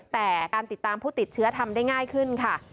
แต่การติดตามผู้ติดเชื้อทำได้ง่ายขึ้นค่ะ